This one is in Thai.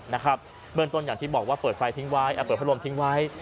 เหมือนต้นอย่างที่บอกว่าเปิดไฟรมที่ทิ้งไว้